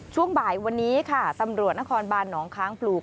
ช่วงบ่ายวันนี้ค่ะตำรวจนครบานหนองค้างปลูก